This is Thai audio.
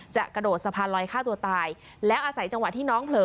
กระโดดสะพานลอยฆ่าตัวตายแล้วอาศัยจังหวะที่น้องเผลอ